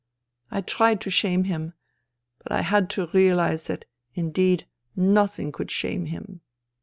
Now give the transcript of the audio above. *" I tried to shame him, but I had to realize that indeed nothing could shame him.